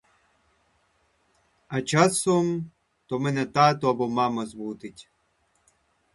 А часом, то мене тато або мама збудить.